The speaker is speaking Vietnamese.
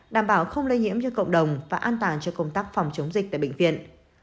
đảm bảo không lây nhiễm cho cộng đồng và an toàn cho công tác phòng chống dịch tại bệnh viện